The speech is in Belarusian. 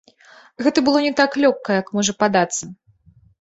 Гэта было не так лёгка, як можа падацца.